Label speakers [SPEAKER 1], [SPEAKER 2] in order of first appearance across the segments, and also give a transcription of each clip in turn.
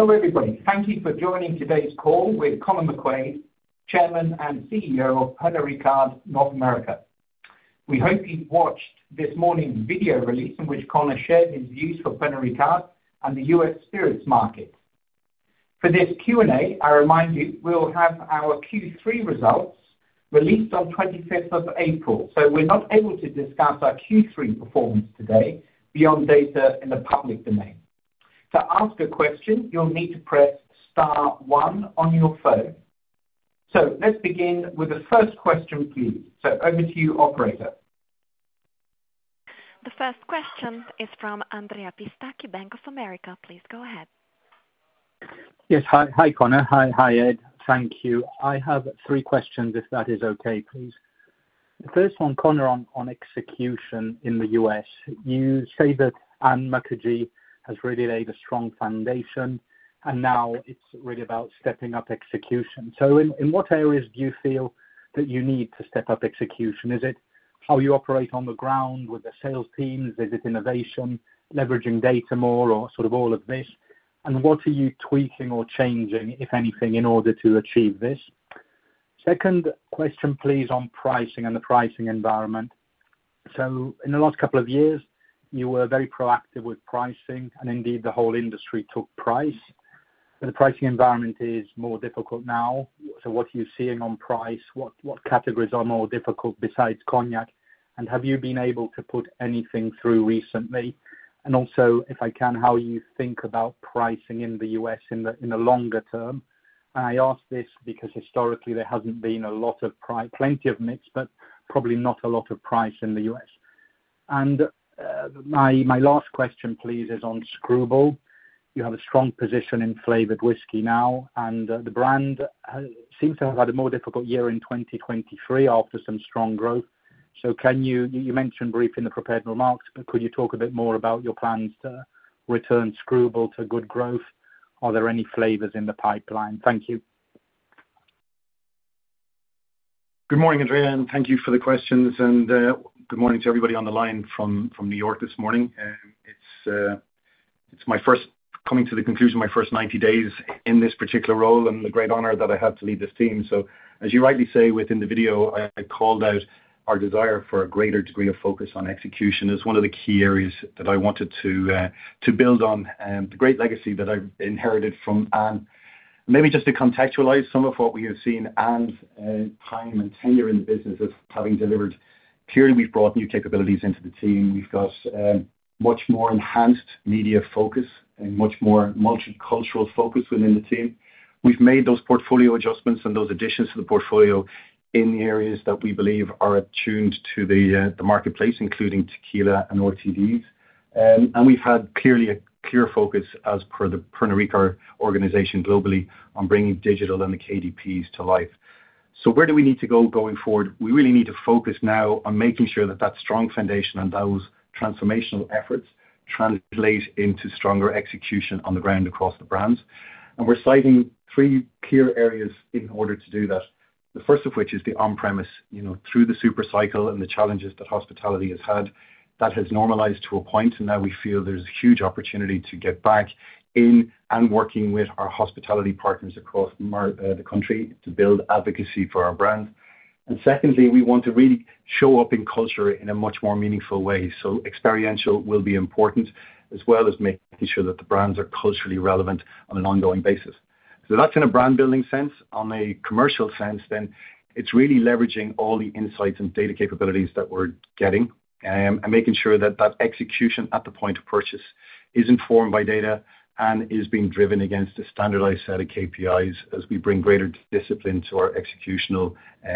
[SPEAKER 1] Hello everybody. Thank you for joining today's call with Conor McQuaid, Chairman and CEO of Pernod Ricard North America. We hope you've watched this morning's video release in which Conor shared his views for Pernod Ricard and the U.S. spirits market. For this Q&A, I remind you we'll have our Q3 results released on 25th of April so we're not able to discuss our Q3 performance today beyond data in the public domain. To ask a question you'll need to press star one on your phone. Let's begin with the first question please. Over to you operator.
[SPEAKER 2] The first question is from Andrea Pistacchi, Bank of America. Please go ahead.
[SPEAKER 3] Yes. Hi hi Conor. Hi hi Ed. Thank you. I have three questions if that is okay please. The first one Conor on execution in the U.S. You say that Ann Mukherjee has really laid a strong foundation and now it's really about stepping up execution. So in what areas do you feel that you need to step up execution? Is it how you operate on the ground with the sales teams? Is it innovation? Leveraging data more or sort of all of this? And what are you tweaking or changing if anything in order to achieve this? Second question please on pricing and the pricing environment. So in the last couple of years you were very proactive with pricing and indeed the whole industry took price. But the pricing environment is more difficult now. So what are you seeing on price? What categories are more difficult besides cognac? And have you been able to put anything through recently? And also if I can how you think about pricing in the U.S. in the in the longer term. And I ask this because historically there hasn't been a lot of price, plenty of mix but probably not a lot of price in the U.S. And my last question please is on Skrewball. You have a strong position in flavored whisky now and the brand has seemed to have had a more difficult year in 2023 after some strong growth. So can you mentioned briefly in the prepared remarks but could you talk a bit more about your plans to return Skrewball to good growth? Are there any flavors in the pipeline? Thank you.
[SPEAKER 4] Good morning, Andrea. Thank you for the questions. Good morning to everybody on the line from New York this morning. It's my first coming to the conclusion of my first 90 days in this particular role and the great honor that I have to lead this team. So as you rightly say within the video, I called out our desire for a greater degree of focus on execution as one of the key areas that I wanted to build on the great legacy that I've inherited from Ann. Maybe just to contextualize some of what we have seen Ann's time and tenure in the business as having delivered. Clearly, we've brought new capabilities into the team. We've got much more enhanced media focus and much more multicultural focus within the team. We've made those portfolio adjustments and those additions to the portfolio in the areas that we believe are attuned to the marketplace including tequila and RTDs. We've had clearly a clear focus as per the Pernod Ricard organization globally on bringing digital and the KDPs to life. So where do we need to go going forward? We really need to focus now on making sure that strong foundation and those transformational efforts translate into stronger execution on the ground across the brands. We're citing three clear areas in order to do that. The first of which is the on-premise you know through the supercycle and the challenges that hospitality has had. That has normalized to a point and now we feel there's a huge opportunity to get back in and working with our hospitality partners across the country to build advocacy for our brands. And secondly, we want to really show up in culture in a much more meaningful way. So experiential will be important as well as making sure that the brands are culturally relevant on an ongoing basis. So that's in a brand-building sense. On a commercial sense, then it's really leveraging all the insights and data capabilities that we're getting, and making sure that that execution at the point of purchase is informed by data and is being driven against a standardized set of KPIs as we bring greater discipline to our executional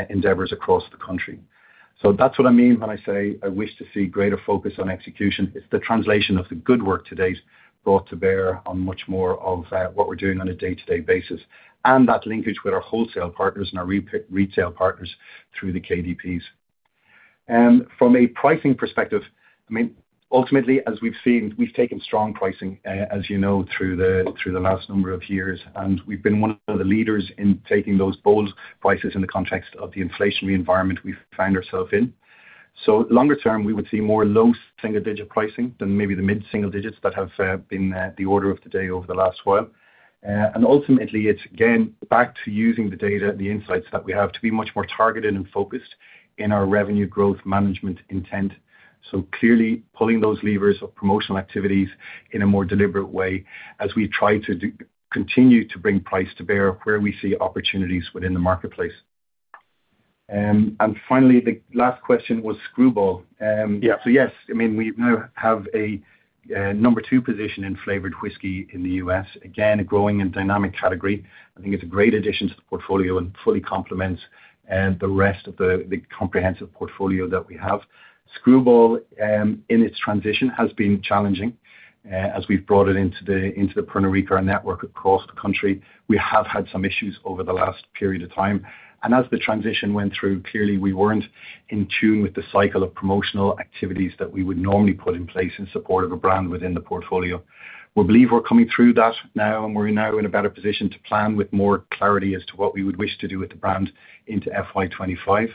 [SPEAKER 4] endeavors across the country. So that's what I mean when I say I wish to see greater focus on execution. It's the translation of the good work to date brought to bear on much more of what we're doing on a day-to-day basis. And that linkage with our wholesale partners and our rep and retail partners through the KDPs. From a pricing perspective, I mean, ultimately, as we've seen, we've taken strong pricing, as you know, through the last number of years. We've been one of the leaders in taking those bold prices in the context of the inflationary environment we've found ourselves in. Longer term we would see more low single-digit pricing than maybe the mid-single digits that have been the order of the day over the last while. And ultimately it's again back to using the data, the insights that we have to be much more targeted and focused in our revenue growth management intent. Clearly pulling those levers of promotional activities in a more deliberate way as we try to continue to bring price to bear where we see opportunities within the marketplace. And finally the last question was Skrewball. Yeah.
[SPEAKER 3] So yes. I mean we now have a number two position in flavored whiskey in the U.S. Again a growing and dynamic category. I think it's a great addition to the portfolio and fully complements the rest of the comprehensive portfolio that we have. Skrewball in its transition has been challenging, as we've brought it into the Pernod Ricard network across the country we have had some issues over the last period of time. And as the transition went through clearly we weren't in tune with the cycle of promotional activities that we would normally put in place in support of a brand within the portfolio. We believe we're coming through that now and we're now in a better position to plan with more clarity as to what we would wish to do with the brand into FY 2025.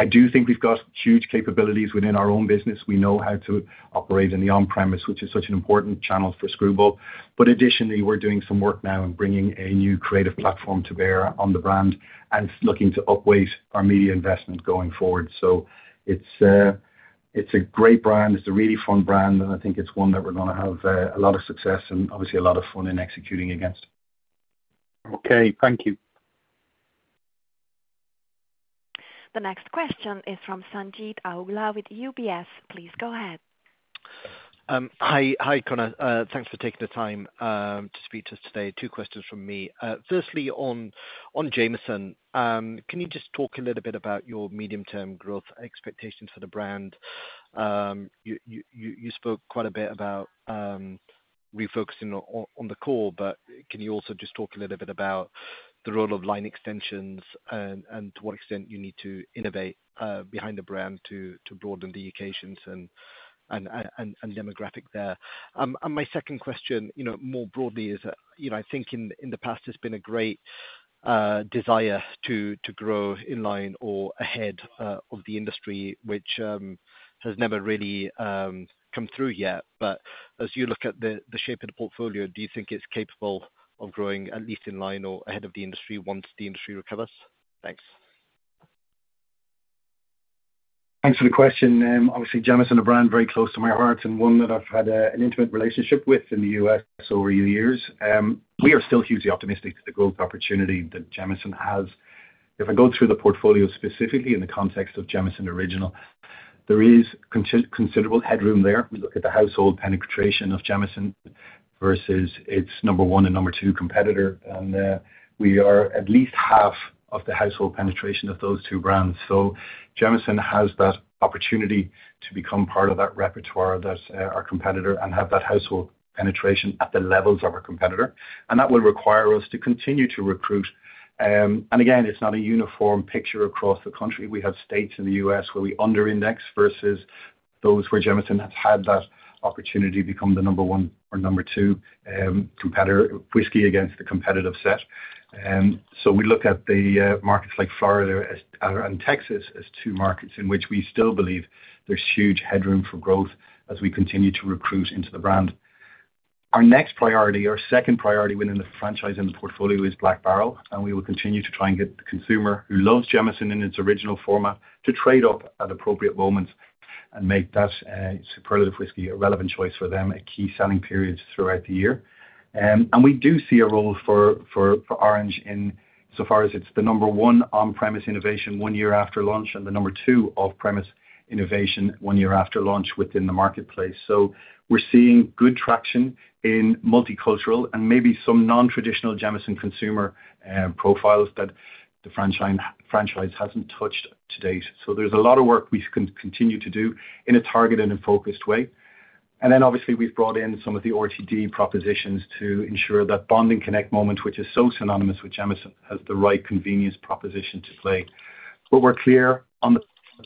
[SPEAKER 3] I do think we've got huge capabilities within our own business. We know how to operate in the on-premise which is such an important channel for Skrewball. But additionally we're doing some work now in bringing a new creative platform to bear on the brand and is looking to upweight our media investment going forward. So it's it's a great brand. It's a really fun brand. And I think it's one that we're gonna have a lot of success and obviously a lot of fun in executing against.
[SPEAKER 4] Okay. Thank you.
[SPEAKER 2] The next question is from Sanjeet Aujla with UBS. Please go ahead.
[SPEAKER 5] Hi, Conor. Thanks for taking the time to speak to us today. Two questions from me. Firstly, on Jameson. Can you just talk a little bit about your medium-term growth expectations for the brand? You spoke quite a bit about refocusing on the core, but can you also just talk a little bit about the role of line extensions and to what extent you need to innovate behind the brand to broaden the occasions and demographic there? And my second question, you know, more broadly is that you know I think in the past there's been a great desire to grow in line or ahead of the industry, which has never really come through yet. But as you look at the the shape of the portfolio, do you think it's capable of growing at least in line or ahead of the industry once the industry recovers? Thanks.
[SPEAKER 4] Thanks for the question. Obviously, Jameson, a brand very close to my heart and one that I've had an intimate relationship with in the U.S. over years. We are still hugely optimistic to the growth opportunity that Jameson has. If I go through the portfolio specifically in the context of Jameson Original, there is considerable headroom there. We look at the household penetration of Jameson versus its number one and number two competitor. And we are at least half of the household penetration of those two brands. So Jameson has that opportunity to become part of that repertoire that's our competitor and have that household penetration at the levels of our competitor. That will require us to continue to recruit. Again it's not a uniform picture across the country. We have states in the U.S. where we underindex versus those where Jameson has had that opportunity to become the number one or number two competitor whisky against the competitive set. We look at the markets like Florida and Texas as two markets in which we still believe there's huge headroom for growth as we continue to recruit into the brand. Our next priority our second priority within the franchise in the portfolio is Black Barrel. We will continue to try and get the consumer who loves Jameson in its original format to trade up at appropriate moments and make that superlative whisky a relevant choice for them at key selling periods throughout the year. and we do see a role for Orange in so far as it's the number one on-premise innovation one year after launch and the number two off-premise innovation one year after launch within the marketplace. So we're seeing good traction in multicultural and maybe some non-traditional Jameson consumer profiles that the franchise hasn't touched to date. So there's a lot of work we can continue to do in a targeted and focused way. And then obviously we've brought in some of the RTD propositions to ensure that bond and connect moment which is so synonymous with Jameson has the right convenience proposition to play. But we're clear on the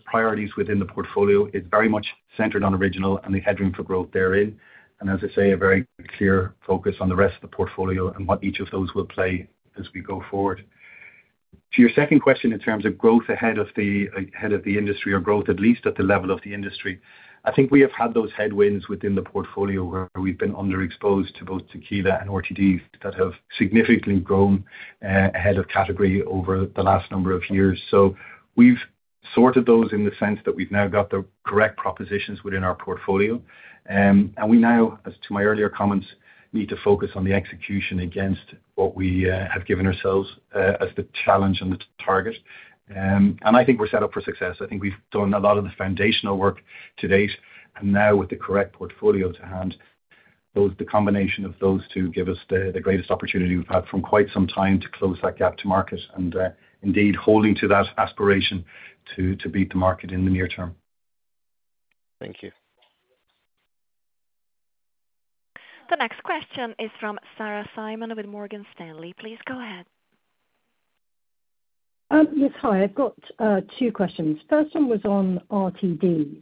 [SPEAKER 4] priorities within the portfolio. It's very much centered on Original and the headroom for growth therein. As I say, a very clear focus on the rest of the portfolio and what each of those will play as we go forward. To your second question, in terms of growth ahead of the ahead of the industry or growth at least at the level of the industry, I think we have had those headwinds within the portfolio where we've been underexposed to both tequila and RTDs that have significantly grown ahead of category over the last number of years. So we've sorted those in the sense that we've now got the correct propositions within our portfolio. And we now, as to my earlier comments, need to focus on the execution against what we have given ourselves as the challenge and the target. And I think we're set up for success. I think we've done a lot of the foundational work to date. And now with the correct portfolio to hand, those, the combination of those two, give us the greatest opportunity we've had for quite some time to close that gap to market. And indeed, holding to that aspiration to beat the market in the near term. Thank you.
[SPEAKER 2] The next question is from Sarah Simon with Morgan Stanley. Please go ahead.
[SPEAKER 6] Yes, hi. I've got two questions. First one was on RTDs.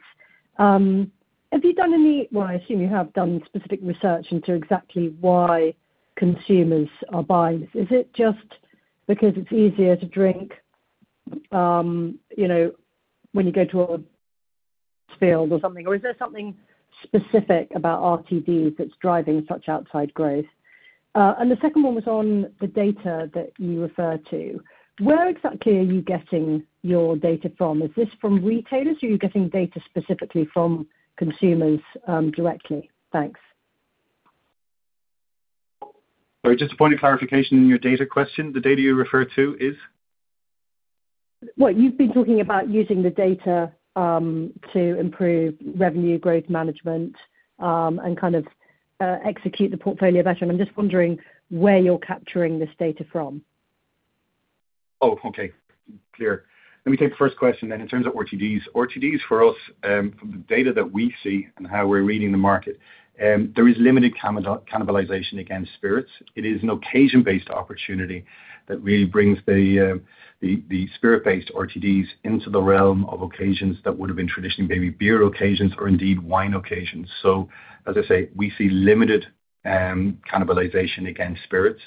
[SPEAKER 6] Have you done any? Well, I assume you have done specific research into exactly why consumers are buying this. Is it just because it's easier to drink, you know, when you go to a field or something? Or is there something specific about RTDs that's driving such outsized growth? And the second one was on the data that you referred to. Where exactly are you getting your data from? Is this from retailers or are you getting data specifically from consumers directly? Thanks.
[SPEAKER 4] Sorry, just a point of clarification in your data question. The data you refer to is?
[SPEAKER 6] Well, you've been talking about using the data to improve revenue growth management and kind of execute the portfolio better. I'm just wondering where you're capturing this data from?
[SPEAKER 4] Oh okay. Clear. Let me take the first question then. In terms of RTDs for us from the data that we see and how we're reading the market there is limited cannibalization against spirits. It is an occasion-based opportunity that really brings the spirit-based OTDs into the realm of occasions that would have been traditionally maybe beer occasions or indeed wine occasions. So as I say we see limited cannibalization against spirits.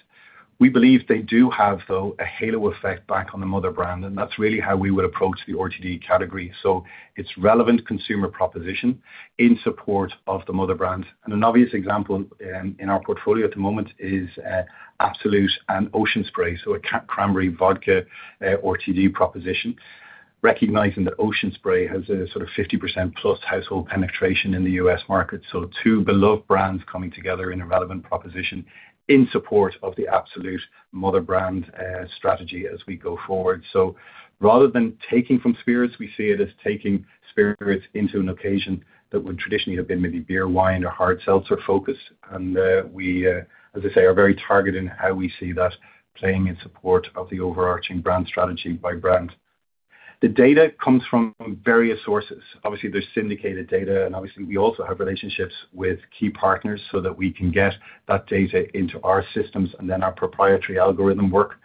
[SPEAKER 4] We believe they do have though a halo effect back on the mother brand. And that's really how we would approach the OTD category. So it's relevant consumer proposition in support of the mother brands. And an obvious example in our portfolio at the moment is Absolut and Ocean Spray. So a cranberry vodka OTD proposition. Recognizing that Ocean Spray has a sort of 50%+ household penetration in the U.S. market. Two beloved brands coming together in a relevant proposition in support of the Absolut mother brand strategy as we go forward. Rather than taking from spirits we see it as taking spirits into an occasion that would traditionally have been maybe beer wine or hard seltzer focused. We as I say are very targeted in how we see that playing in support of the overarching brand strategy by brand. The data comes from various sources. Obviously there's syndicated data. Obviously we also have relationships with key partners so that we can get that data into our systems. And then our proprietary algorithm work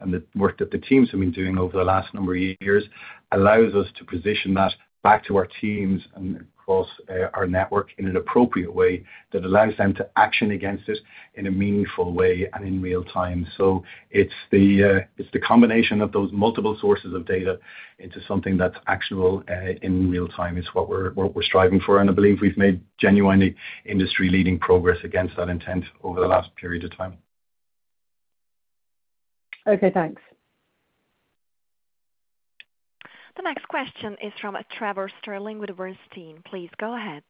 [SPEAKER 4] and the work that the teams have been doing over the last number of years allows us to position that back to our teams and across our network in an appropriate way that allows them to action against it in a meaningful way and in real time. So it's the combination of those multiple sources of data into something that's actionable in real time is what we're striving for. And I believe we've made genuinely industry-leading progress against that intent over the last period of time.
[SPEAKER 6] Okay. Thanks.
[SPEAKER 2] The next question is from Trevor Stirling with Bernstein. Please go ahead.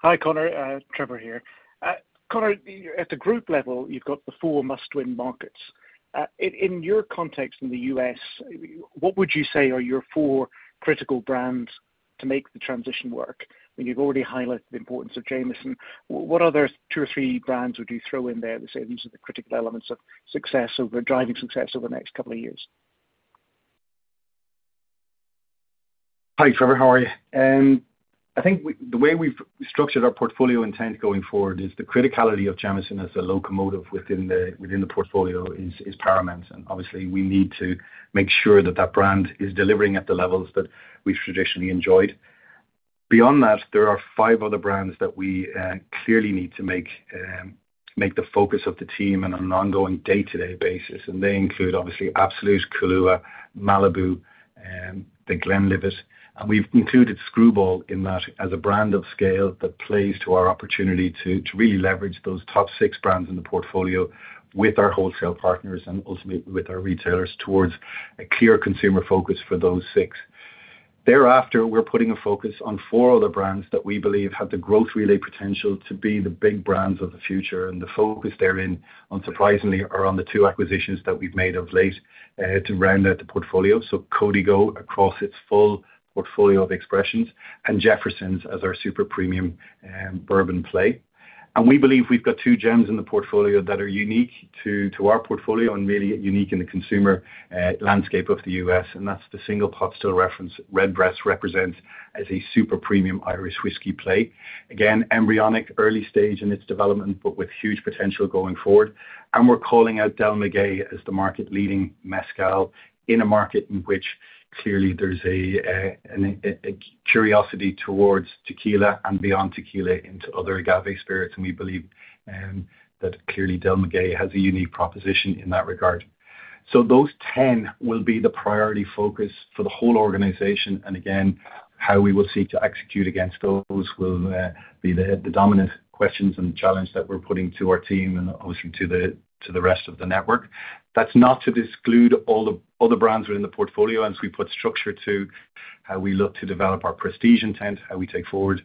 [SPEAKER 7] Hi, Conor. Trevor here. Conor, you're at the group level you've got the four must-win markets. In your context in the U.S., what would you say are your four critical brands to make the transition work? I mean, you've already highlighted the importance of Jameson. What other two or three brands would you throw in there to say these are the critical elements of success over driving success over the next couple of years?
[SPEAKER 4] Hi Trevor. How are you? I think the way we've structured our portfolio intent going forward is the criticality of Jameson as a locomotive within the portfolio is paramount. And obviously we need to make sure that that brand is delivering at the levels that we've traditionally enjoyed. Beyond that there are five other brands that we clearly need to make the focus of the team on an ongoing day-to-day basis. And they include obviously Absolut, Kahlúa, Malibu, the Glenlivet. And we've included Skrewball in that as a brand of scale that plays to our opportunity to really leverage those top six brands in the portfolio with our wholesale partners and ultimately with our retailers towards a clear consumer focus for those six. Thereafter we're putting a focus on four other brands that we believe have the growth relay potential to be the big brands of the future. And the focus therein on surprisingly are on the two acquisitions that we've made of late to round out the portfolio. So Código 1530 across its full portfolio of expressions. And Jefferson's as our super premium bourbon play. And we believe we've got two gems in the portfolio that are unique to our portfolio and really unique in the consumer landscape of the U.S. And that's the single pot still reference Redbreast represents as a super premium Irish whisky play. Again embryonic early stage in its development but with huge potential going forward. And we're calling out Del Maguey as the market-leading mezcal in a market in which clearly there's a curiosity towards tequila and beyond tequila into other agave spirits. We believe that clearly Del Maguey has a unique proposition in that regard. Those 10 will be the priority focus for the whole organization. And again how we will seek to execute against those will be the dominant questions and challenge that we're putting to our team and obviously to the rest of the network. That's not to exclude all the other brands within the portfolio as we put structure to how we look to develop our prestige intent how we take forward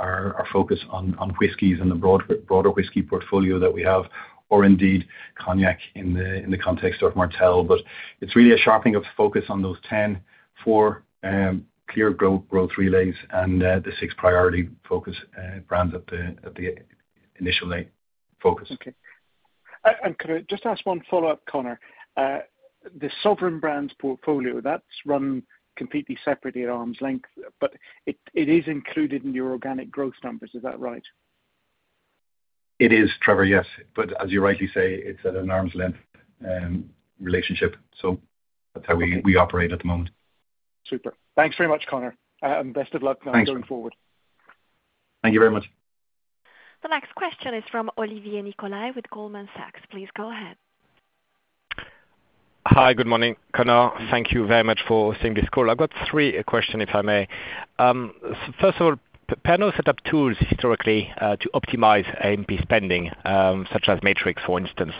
[SPEAKER 4] our focus on whiskies in the broader whisky portfolio that we have. Or indeed cognac in the context of Martell. But it's really a sharpening of focus on those 10 for clear growth levers and the 6 priority focus brands at the initial layer focus.
[SPEAKER 7] Okay. And Conor, just ask one follow-up, Conor. The Sovereign Brands portfolio that's run completely separately at arm's length, but it is included in your organic growth numbers. Is that right?
[SPEAKER 4] It is Trevor, yes. But as you rightly say, it's at an arm's length relationship. So that's how we operate at the moment.
[SPEAKER 7] Super. Thanks very much, Conor. And best of luck now going forward.
[SPEAKER 4] Thanks. Thank you very much.
[SPEAKER 2] The next question is from Olivier Nicolai with Goldman Sachs. Please go ahead.
[SPEAKER 8] Hi, good morning, Conor. Thank you very much for joining this call. I've got three questions if I may. First of all, Pernod set up tools historically to optimize A&P spending, such as Matrix, for instance.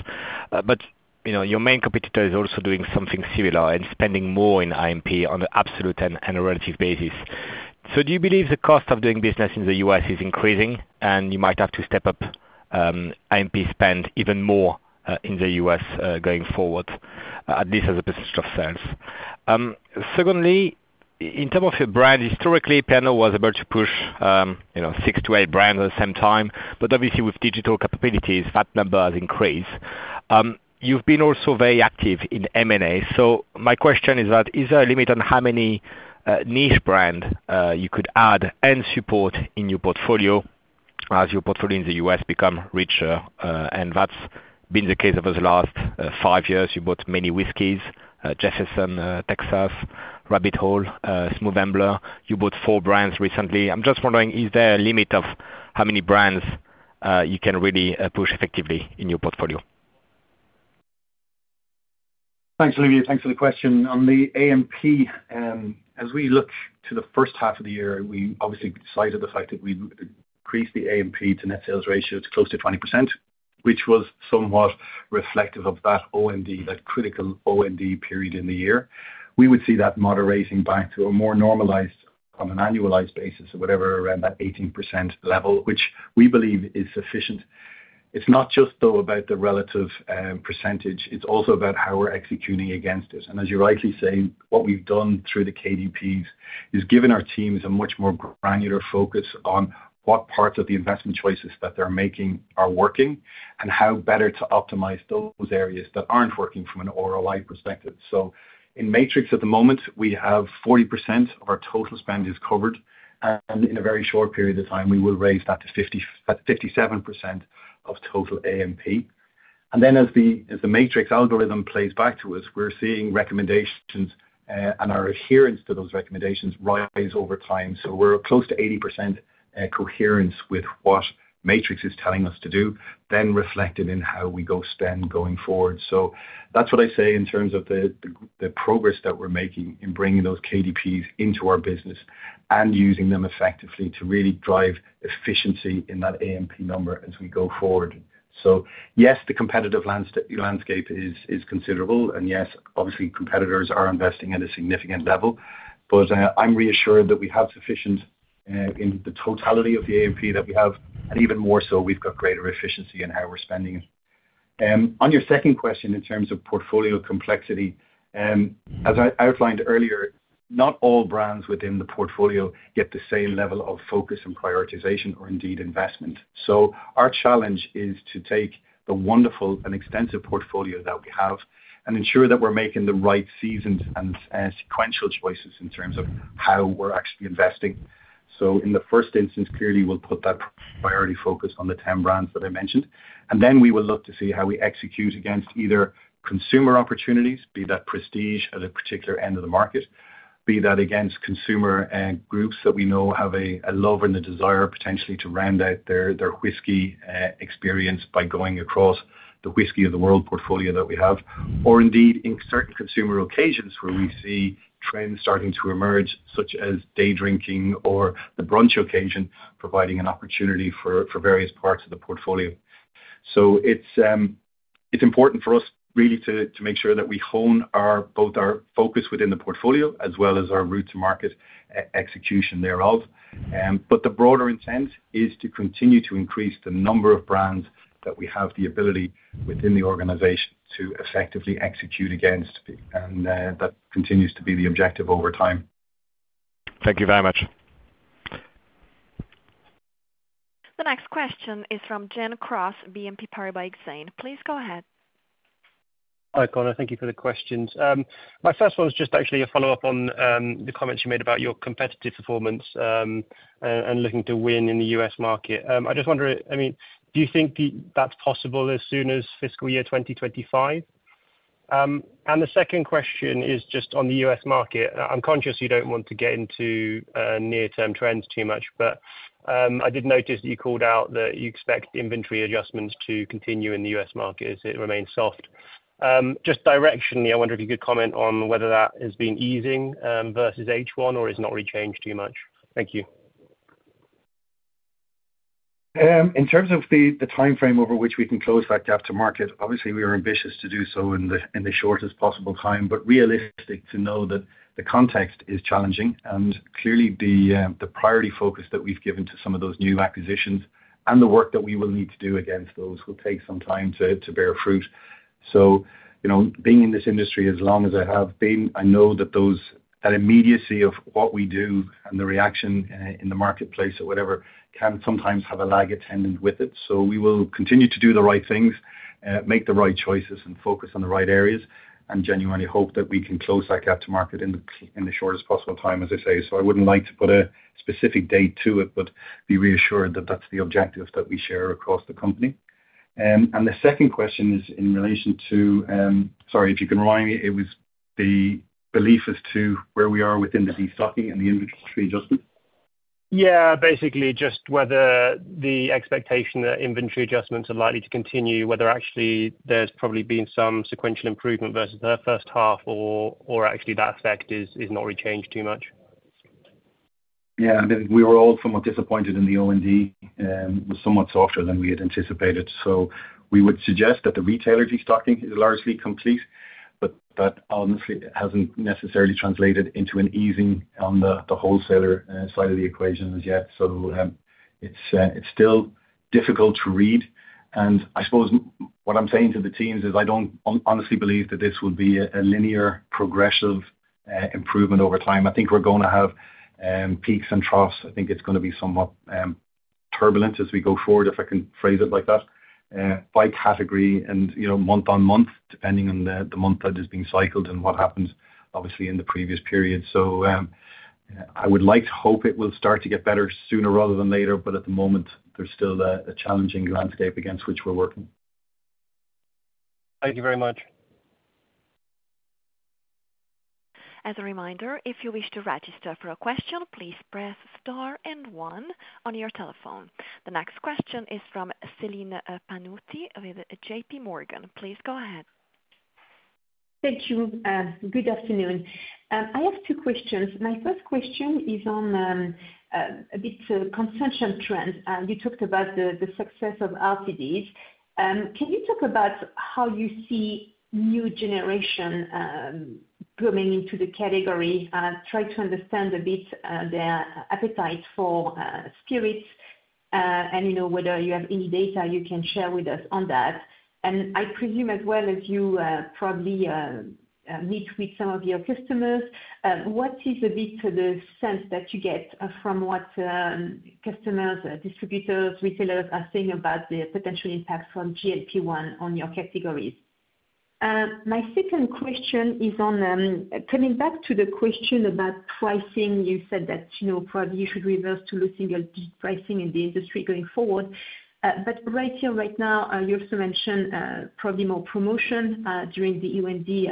[SPEAKER 8] But you know your main competitor is also doing something similar and spending more in A&P on the absolute and relative basis. So do you believe the cost of doing business in the U.S. is increasing and you might have to step up A&P spend even more in the U.S. going forward, at least as a percentage of sales? Second, in terms of your brands, historically Pernod was able to push, you know, 6-8 brands at the same time. But obviously with digital capabilities that number has increased. You've also been very active in M&A. My question is that is there a limit on how many niche brand you could add and support in your portfolio as your portfolio in the U.S. become richer. That's been the case over the last five years. You bought many whiskies: Jefferson's, Texas, Rabbit Hole, Smooth Ambler. You bought four brands recently. I'm just wondering, is there a limit of how many brands you can really push effectively in your portfolio?
[SPEAKER 4] Thanks, Olivier. Thanks for the question. On the A&P, as we look to the first half of the year, we obviously cited the fact that we'd increased the A&P to net sales ratio to close to 20%, which was somewhat reflective of that O&D, that critical O&D period in the year. We would see that moderating back to a more normalized, on an annualized basis or whatever, around that 18% level, which we believe is sufficient. It's not just though about the relative percentage. It's also about how we're executing against it. And as you rightly say, what we've done through the KDPs is given our teams a much more granular focus on what parts of the investment choices that they're making are working and how better to optimize those areas that aren't working from an ROI perspective. So in Matrix at the moment we have 40% of our total spend covered. In a very short period of time we will raise that to 55-57% of total A&P. And then as the Matrix algorithm plays back to us we're seeing recommendations and our adherence to those recommendations rise over time. So we're close to 80% coherence with what Matrix is telling us to do then reflected in how we spend going forward. So that's what I say in terms of the progress that we're making in bringing those KDPs into our business and using them effectively to really drive efficiency in that A&P number as we go forward. So yes the competitive landscape is considerable. Yes obviously competitors are investing at a significant level. But I'm reassured that we have sufficient in the totality of the A&P that we have. And even more so we've got greater efficiency in how we're spending. On your second question, in terms of portfolio complexity, as I outlined earlier, not all brands within the portfolio get the same level of focus and prioritization or indeed investment. So our challenge is to take the wonderful and extensive portfolio that we have and ensure that we're making the right decisions and sequential choices in terms of how we're actually investing. So in the first instance clearly we'll put that priority focus on the 10 brands that I mentioned. And then we will look to see how we execute against either consumer opportunities be that prestige at a particular end of the market be that against consumer groups that we know have a love and a desire potentially to round out their whisky experience by going across the whisky of the world portfolio that we have. Or indeed in certain consumer occasions where we see trends starting to emerge such as day drinking or the brunch occasion providing an opportunity for various parts of the portfolio. So it's important for us really to make sure that we hone our both our focus within the portfolio as well as our route to market execution thereof. But the broader intent is to continue to increase the number of brands that we have the ability within the organization to effectively execute against be. That continues to be the objective over time.
[SPEAKER 8] Thank you very much.
[SPEAKER 2] The next question is from Jian Li, BNP Paribas Exane. Please go ahead.
[SPEAKER 9] Hi Conor. Thank you for the questions. My first one's just actually a follow-up on the comments you made about your competitive performance and looking to win in the U.S. market. I just wonder, I mean, do you think that's possible as soon as fiscal year 2025? The second question is just on the U.S. market. I'm conscious you don't want to get into near-term trends too much. I did notice that you called out that you expect inventory adjustments to continue in the U.S. market as it remains soft. Just directionally, I wonder if you could comment on whether that has been easing versus H1 or it's not really changed too much. Thank you.
[SPEAKER 4] In terms of the time frame over which we can close that gap to market, obviously we are ambitious to do so in the shortest possible time. But realistic to know that the context is challenging. And clearly the priority focus that we've given to some of those new acquisitions and the work that we will need to do against those will take some time to bear fruit. So you know, being in this industry as long as I have been, I know that that immediacy of what we do and the reaction in the marketplace or whatever can sometimes have a lag attendant with it. So we will continue to do the right things, make the right choices, and focus on the right areas. And I genuinely hope that we can close that gap to market in the U.S. in the shortest possible time, as I say. So I wouldn't like to put a specific date to it, but be reassured that that's the objective that we share across the company. And the second question is in relation to—sorry, if you can remind me—it was the belief as to where we are within the destocking and the inventory adjustment?
[SPEAKER 9] Yeah, basically just whether the expectation that inventory adjustments are likely to continue, whether actually there's probably been some sequential improvement versus the first half, or actually that effect is not really changed too much.
[SPEAKER 4] Yeah, I mean, we were all somewhat disappointed in the O&D. It was somewhat softer than we had anticipated. So we would suggest that the retailer destocking is largely complete, but that honestly it hasn't necessarily translated into an easing on the wholesaler side of the equation as yet. So it's still difficult to read. And I suppose what I'm saying to the teams is I don't honestly believe that this will be a linear progressive improvement over time. I think we're gonna have peaks and troughs. I think it's gonna be somewhat turbulent as we go forward, if I can phrase it like that, by category and, you know, month-on-month depending on the month that has been cycled and what happens obviously in the previous period. So I would like to hope it will start to get better sooner rather than later. At the moment there's still a challenging landscape against which we're working.
[SPEAKER 9] Thank you very much.
[SPEAKER 2] As a reminder, if you wish to register for a question, please press star and one on your telephone. The next question is from Celine Pannuti with J.P. Morgan. Please go ahead.
[SPEAKER 10] Thank you. Good afternoon. I have two questions. My first question is on a bit consumption trends. You talked about the success of RTDs. Can you talk about how you see new generation coming into the category? Try to understand a bit their appetite for spirits and you know whether you have any data you can share with us on that. And I presume as well as you probably meet with some of your customers what is a bit the sense that you get from what customers distributors retailers are saying about the potential impacts from GLP-1 on your categories? My second question is on coming back to the question about pricing you said that you know probably you should reverse to low single-digit+ pricing in the industry going forward. But right here right now you also mentioned probably more promotion during the O&D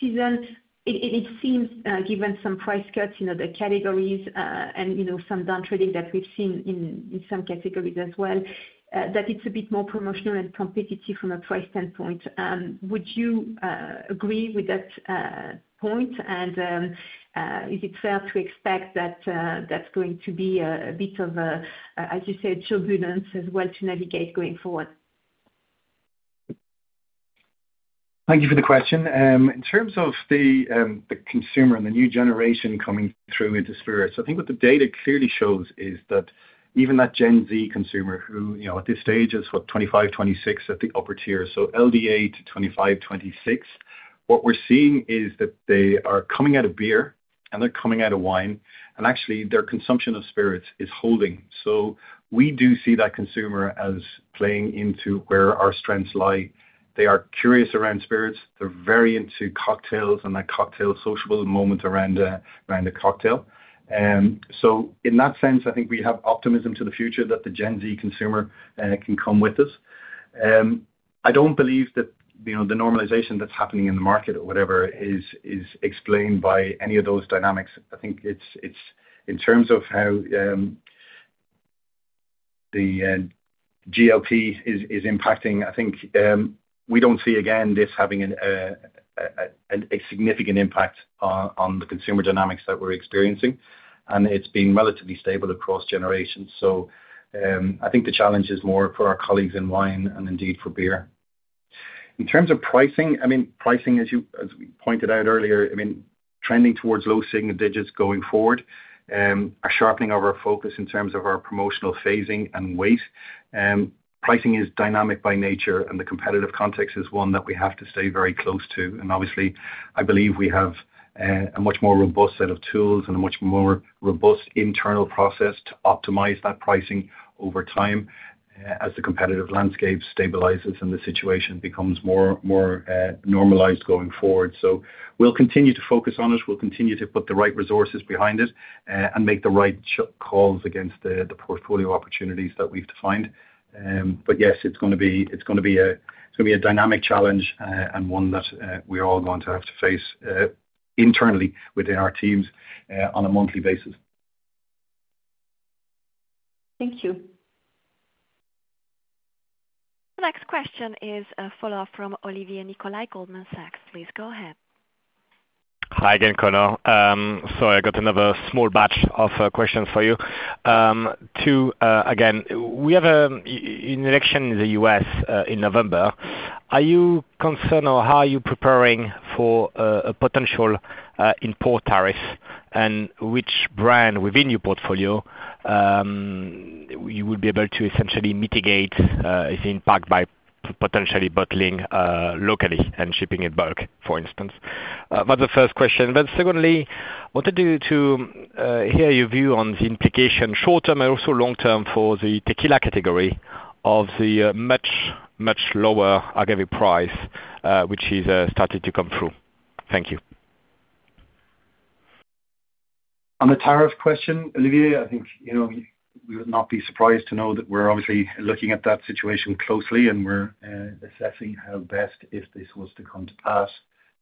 [SPEAKER 10] season. It seems given some price cuts in other categories and you know some downtrading that we've seen in some categories as well that it's a bit more promotional and competitive from a price standpoint. Would you agree with that point? And is it fair to expect that that's going to be a bit of a, as you say, turbulence as well to navigate going forward?
[SPEAKER 4] Thank you for the question. In terms of the the consumer and the new generation coming through into spirits, I think what the data clearly shows is that even that Gen Z consumer who you know at this stage is what 25 26 at the upper tier. So LDA to 25 26 what we're seeing is that they are coming out of beer and they're coming out of wine. And actually their consumption of spirits is holding. So we do see that consumer as playing into where our strengths lie. They are curious around spirits. They're very into cocktails and that cocktail sociable moment around around a cocktail. So in that sense I think we have optimism to the future that the Gen Z consumer can come with us. I don't believe that you know the normalization that's happening in the market or whatever is explained by any of those dynamics. I think it's in terms of how the GLP is impacting. I think we don't see again this having a significant impact on the consumer dynamics that we're experiencing. And it's been relatively stable across generations. So I think the challenge is more for our colleagues in wine and indeed for beer. In terms of pricing, I mean, pricing as we pointed out earlier, I mean, trending towards low single digits going forward, a sharpening of our focus in terms of our promotional phasing and weight. Pricing is dynamic by nature and the competitive context is one that we have to stay very close to. And obviously, I believe we have a much more robust set of tools and a much more robust internal process to optimize that pricing over time as the competitive landscape stabilizes and the situation becomes more more normalized going forward. So we'll continue to focus on it. We'll continue to put the right resources behind it and make the right calls against the the portfolio opportunities that we've defined. But yes, it's gonna be it's gonna be a it's gonna be a dynamic challenge and one that we're all going to have to face internally within our teams on a monthly basis.
[SPEAKER 10] Thank you.
[SPEAKER 2] The next question is a follow-up from Olivier Nicolai, Goldman Sachs. Please go ahead.
[SPEAKER 8] Hi again Conor. Sorry I got another small batch of questions for you. To again we have an election in the U.S. in November. Are you concerned or how are you preparing for a potential import tariff and which brand within your portfolio you would be able to essentially mitigate its impact by potentially bottling locally and shipping it bulk for instance? That's the first question. But secondly I wanted to hear your view on the implication short term and also long term for the tequila category of the much much lower agave price which is started to come through. Thank you.
[SPEAKER 4] On the tariff question, Olivier, I think you know we would not be surprised to know that we're obviously looking at that situation closely and we're assessing how best if this was to come to pass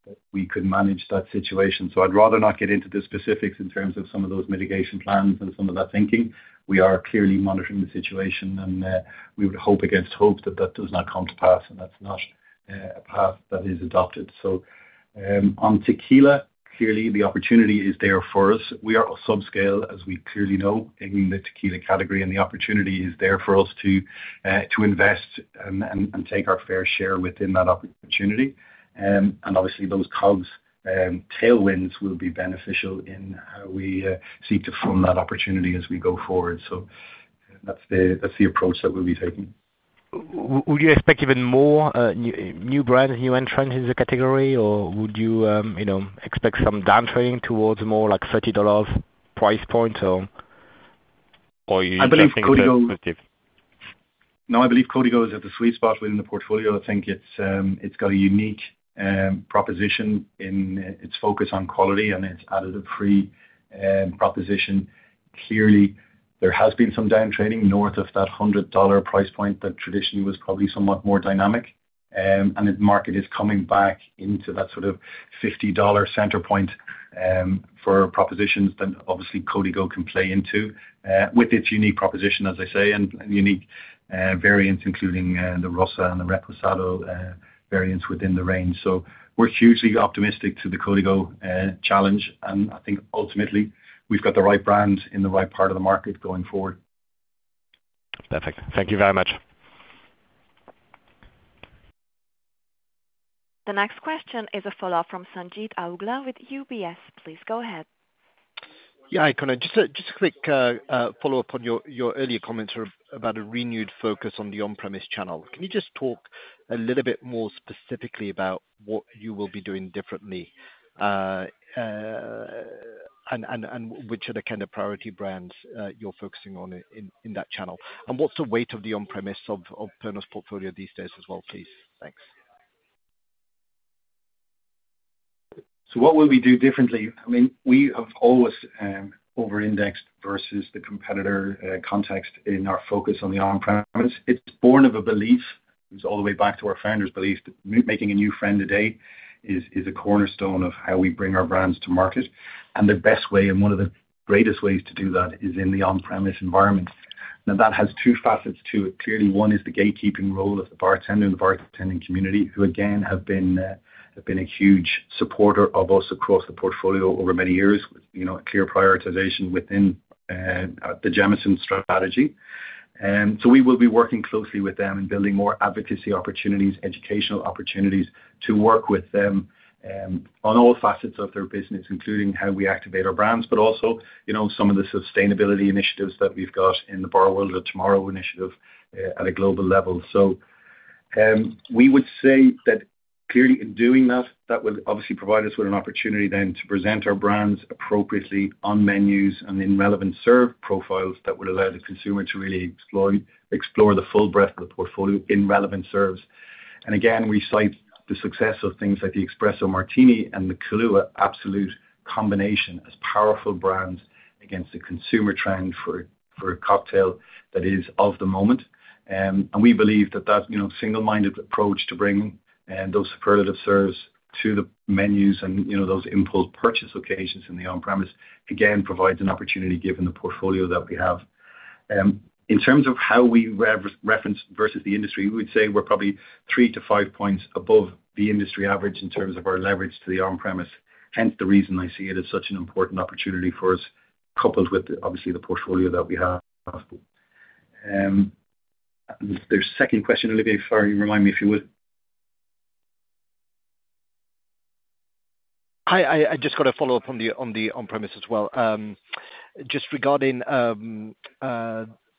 [SPEAKER 4] that we could manage that situation. So I'd rather not get into the specifics in terms of some of those mitigation plans and some of that thinking. We are clearly monitoring the situation and we would hope against hope that that does not come to pass and that's not a path that is adopted. So on tequila clearly the opportunity is there for us. We are a subscale as we clearly know in the tequila category and the opportunity is there for us to to invest and and and take our fair share within that opportunity. And obviously those COGS tailwinds will be beneficial in how we seek to funnel that opportunity as we go forward. So that's the approach that we'll be taking.
[SPEAKER 8] Would you expect even more new brands, new entrants in the category or would you, you know, expect some downtrading towards more like a $30 price point or you think that's positive?
[SPEAKER 4] I believe Código goes at the sweet spot within the portfolio. I think it's got a unique proposition in its focus on quality and its additive-free proposition. Clearly there has been some downtrading north of that $100 price point that traditionally was probably somewhat more dynamic. And the market is coming back into that sort of $50 center point for propositions that obviously Código can play into with its unique proposition as I say and unique variants including the Rosa and the Reposado variants within the range. So we're hugely optimistic to the Código challenge and I think ultimately we've got the right brand in the right part of the market going forward.
[SPEAKER 8] Perfect. Thank you very much.
[SPEAKER 2] The next question is a follow-up from Sanjeet Aujla with UBS. Please go ahead.
[SPEAKER 5] Yeah, hi Conor. Just a quick follow-up on your earlier comments about a renewed focus on the on-premise channel. Can you just talk a little bit more specifically about what you will be doing differently and which are the kind of priority brands you're focusing on in that channel? And what's the weight of the on-premise of Pernod's portfolio these days as well, please? Thanks.
[SPEAKER 4] So what will we do differently? I mean we have always over-indexed versus the competitor context in our focus on the on-premise. It's born of a belief it was all the way back to our founders' belief that making a new friend a day is a cornerstone of how we bring our brands to market. And the best way and one of the greatest ways to do that is in the on-premise environment. Now that has two facets to it. Clearly one is the gatekeeping role of the bartender and the bartending community who again have been a huge supporter of us across the portfolio over many years with you know a clear prioritization within the Jameson strategy. So we will be working closely with them and building more advocacy opportunities, educational opportunities to work with them on all facets of their business, including how we activate our brands. But also, you know, some of the sustainability initiatives that we've got in the bar world, Our Tomorrow initiative at a global level. So we would say that clearly, in doing that, that will obviously provide us with an opportunity then to present our brands appropriately on menus and in relevant serve profiles that would allow the consumer to really explore the full breadth of the portfolio in relevant serves. And again we cite the success of things like the espresso martini and the Kahlúa Absolut combination as powerful brands against the consumer trend for a cocktail that is of the moment. We believe that you know single-minded approach to bringing those superlative spirits to the menus and you know those impulse purchase occasions in the on-premise again provides an opportunity given the portfolio that we have. In terms of how we reverse reference versus the industry, we would say we're probably 3-5 points above the industry average in terms of our leverage to the on-premise. Hence the reason I see it as such an important opportunity for us coupled with obviously the portfolio that we have. Their second question, Olivier. Sorry, remind me if you would.
[SPEAKER 5] Hi, I just got a follow-up on the on-premise as well. Just regarding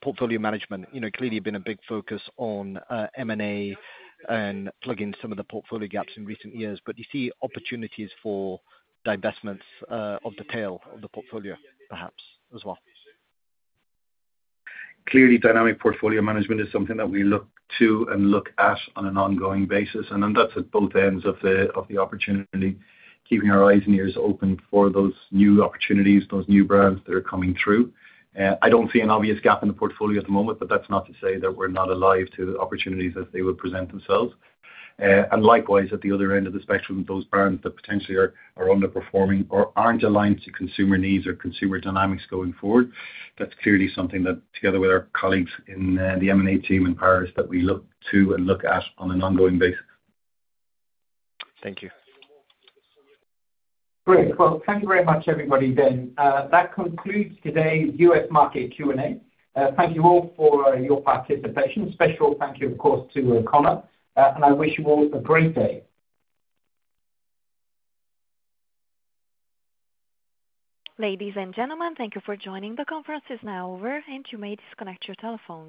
[SPEAKER 5] portfolio management, you know, clearly been a big focus on M&A and plugging some of the portfolio gaps in recent years. But do you see opportunities for divestments of the tail of the portfolio perhaps as well?
[SPEAKER 4] Clearly dynamic portfolio management is something that we look to and look at on an ongoing basis. And that's at both ends of the opportunity keeping our eyes and ears open for those new opportunities those new brands that are coming through. I don't see an obvious gap in the portfolio at the moment, but that's not to say that we're not alive to opportunities as they would present themselves. And likewise at the other end of the spectrum, those brands that potentially are underperforming or aren't aligned to consumer needs or consumer dynamics going forward, that's clearly something that together with our colleagues in the M&A team in Paris that we look to and look at on an ongoing basis.
[SPEAKER 5] Thank you.
[SPEAKER 1] Great. Well thank you very much everybody then. That concludes today's U.S. market Q&A. Thank you all for your participation. Special thank you of course to Conor. And I wish you all a great day.
[SPEAKER 2] Ladies and gentlemen, thank you for joining. The conference is now over, and you may disconnect your telephones.